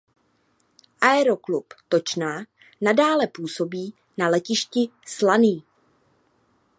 Aeroklub Točná nadále působí na letišti Slaný.